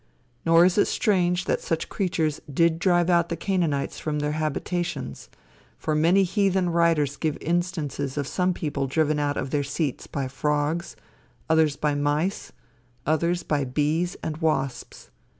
Nor is it strange that such creatures did drive out the Canaanites from their habitations; for many heathen writers give instances of some people driven from their seats by frogs, others by mice, others by bees and wasps.